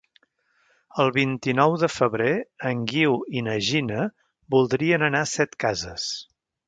El vint-i-nou de febrer en Guiu i na Gina voldrien anar a Setcases.